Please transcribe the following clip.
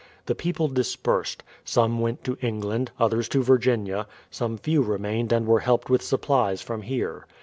The people dispersed ; some went to England, others to Virginia, some few remained and v/ere helped with supplies from here.